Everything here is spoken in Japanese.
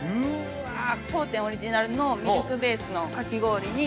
当店オリジナルのミルクベースのかき氷に。